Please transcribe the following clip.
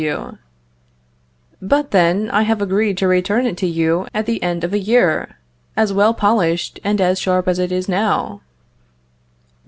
W. But, then, I have agreed to return it to you at the end of a year, as well polished and as sharp as it is now.